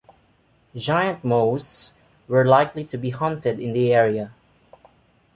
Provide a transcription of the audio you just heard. Giant moas were likely to be hunted in the area.